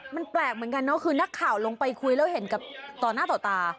มันแปลกเหมือนกันเนอะคือนักข่าวลงไปคุยแล้วเห็นกับต่อหน้าต่อตา